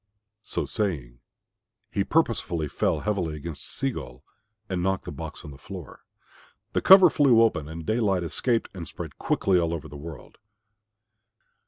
So saying he purposely fell heavily against Sea gull and knocked the box on the floor. The cover flew open and daylight escaped and spread quickly over all the world.